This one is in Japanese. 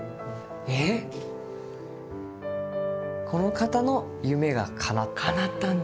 この方の夢がかなった。